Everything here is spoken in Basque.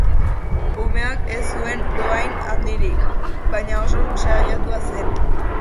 Umeak ez zuen dohain handirik, baina oso saiatua zen.